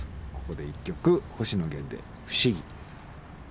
ここで一曲星野源で「不思議」。